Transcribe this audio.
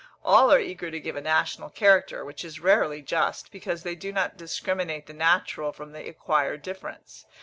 All are eager to give a national character, which is rarely just, because they do not discriminate the natural from the acquired difference.